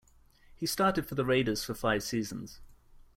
He started for the Raiders for five seasons.